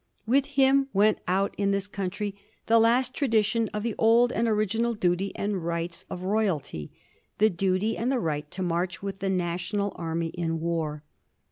With him went out, in this country, the last tradition of the old and original duty and right of royalty — the duty and the right to march with the national army in war.